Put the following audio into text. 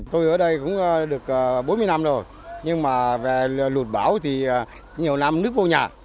tôi ở đây cũng được bốn mươi năm rồi nhưng mà về lụt bão thì nhiều năm nước vô nhà